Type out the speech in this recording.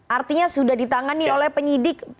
artinya sudah ditangani oleh penyidik